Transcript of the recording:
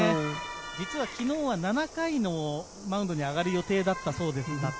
実は昨日は７回のマウンドに上がる予定だったそうです。